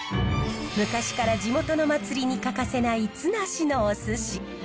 昔から地元の祭りに欠かせないツナシのおすし。